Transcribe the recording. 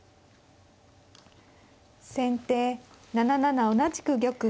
先手７七同じく玉。